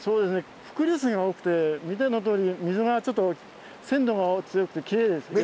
伏流水が多くて見てのとおり水がちょっと鮮度が強くてきれいですけど。